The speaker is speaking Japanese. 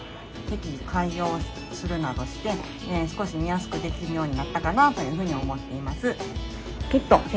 適宜改行をするなどして少し見やすくできるようになったかなというふうに思っています。